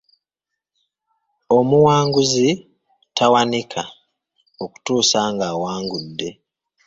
Omuwanguzi tawanika, okutuusa ng’awangudde.